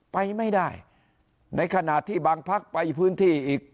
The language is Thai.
ไปไม่ได้ในขณะที่บางพักไปพื้นที่อีก